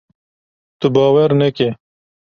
Tu bawer neke!